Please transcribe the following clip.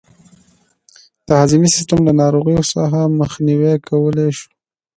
د هضمي سیستم له ناروغیو څخه مخنیوی کولای شو.